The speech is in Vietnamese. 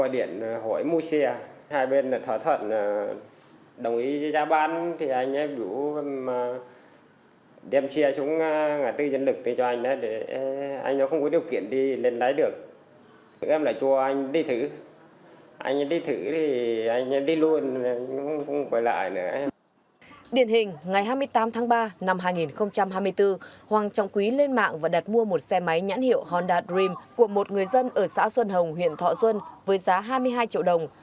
điện hình ngày hai mươi tám tháng ba năm hai nghìn hai mươi bốn hoàng trọng quý lên mạng và đặt mua một xe máy nhãn hiệu honda dream của một người dân ở xã xuân hồng huyện thọ xuân với giá hai mươi hai triệu đồng